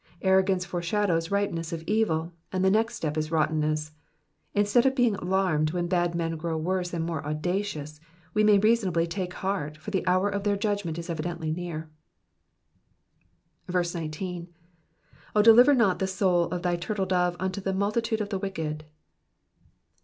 Arro gance foreshadows ripeness of evil, and the next step is rottenness. Instead of being alarmed when bad men grow worse and more audacious, we may reason ably take heart, for the hour of their judgment is evidently near. 19. 0 deliver not the soul of thy turtle dove unto the multitude of the wicked.''